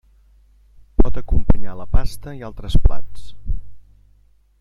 Pot acompanyar la pasta i altres plats.